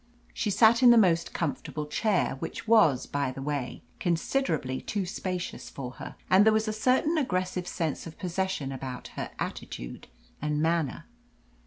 She sat in the most comfortable chair, which was, by the way, considerably too spacious for her, and there was a certain aggressive sense of possession about her attitude and manner.